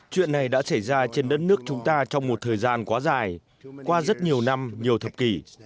chuyện này đã xảy ra trên đất nước chúng ta trong một thời gian quá dài qua rất nhiều năm nhiều thập kỷ